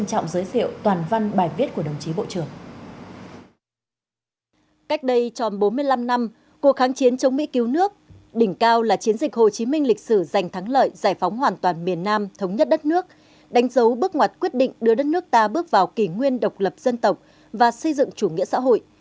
chiến dịch hồ chí minh lịch sử giành thắng lợi giải phóng hoàn toàn miền nam thống nhất đất nước đánh dấu bước ngoặt quyết định đưa đất nước ta bước vào kỳ nguyên độc lập dân tộc và xây dựng chủ nghĩa xã hội